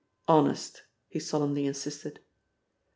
"Honest!" he solemnly insisted.